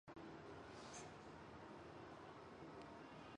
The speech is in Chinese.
济宁市位于兖州的西南方向。